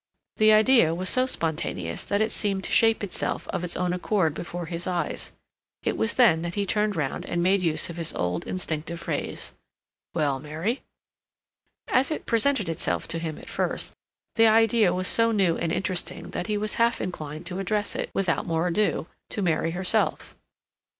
The idea was so spontaneous that it seemed to shape itself of its own accord before his eyes. It was then that he turned round and made use of his old, instinctive phrase: "Well, Mary—?" As it presented itself to him at first, the idea was so new and interesting that he was half inclined to address it, without more ado, to Mary herself.